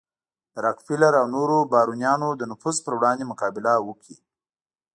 د راکفیلر او نورو بارونیانو د نفوذ پر وړاندې مقابله وکړي.